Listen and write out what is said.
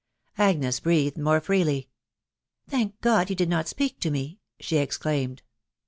Agnes breathed more freely. "Thank God, he did not speak to me!" she exclaimed.